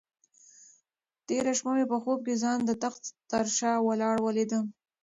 تېره شپه مې په خوب کې ځان د تخت تر شا ولاړه ولیده.